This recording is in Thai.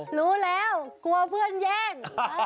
รู้แล้วกลัวเพื่อนแย่ง